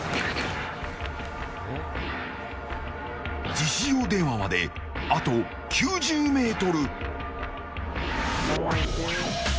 自首用電話まであと９０ｍ。